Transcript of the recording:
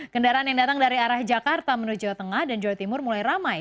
kendaraan yang datang dari arah jakarta menuju jawa tengah dan jawa timur mulai ramai